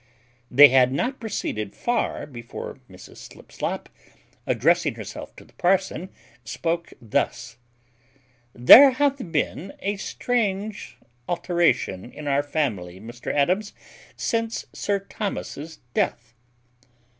They had not proceeded far before Mrs Slipslop, addressing herself to the parson, spoke thus: "There hath been a strange alteration in our family, Mr Adams, since Sir Thomas's death."